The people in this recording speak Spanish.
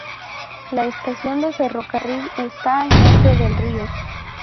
La estación de ferrocarril está al norte del río.